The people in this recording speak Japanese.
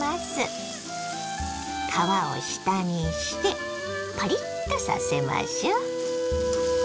皮を下にしてパリッとさせましょ。